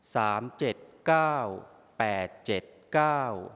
เจ็ดเก้าแปดเจ็ดเก้า